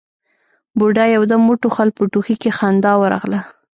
بوډا يو دم وټوخل، په ټوخي کې خندا ورغله: